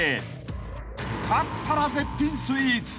［勝ったら絶品スイーツ］